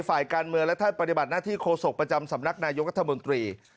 ฝ่ายการเมืองและท่านปฏิบัติหน้าที่โฆษกประจำสำนักนายกรัฐมนตรี